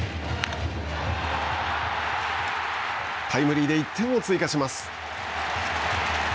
タイムリーで１点を追加します。